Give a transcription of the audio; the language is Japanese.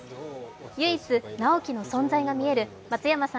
唯一、直木の存在が見える松山さん